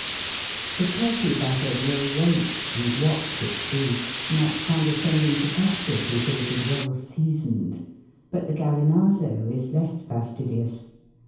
The Turkey buzzard will wait and watch its food, not condescending to touch it until it is well seasoned ; but the Gallinazo is less fastidious.